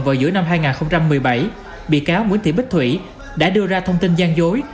vào giữa năm hai nghìn một mươi bảy bị cáo nguyễn thị bích thủy đã đưa ra thông tin gian dối